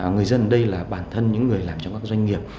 người dân ở đây là bản thân những người làm trong các doanh nghiệp